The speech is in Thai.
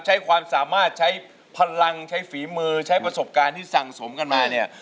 ใช้ความสามารถใช้พลังใช้ฝีมือใช้ประสบการณ์ที่สั่งสมกันมาเนี่ย